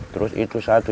terus itu satu